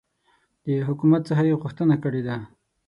د حکومت څخه یي غوښتنه کړې ده